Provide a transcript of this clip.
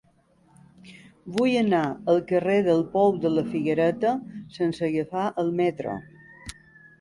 Vull anar al carrer del Pou de la Figuereta sense agafar el metro.